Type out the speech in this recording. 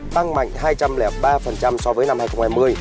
tăng mạnh hai trăm linh ba so với năm hai nghìn hai mươi